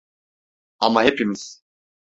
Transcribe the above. Ama hepimiz.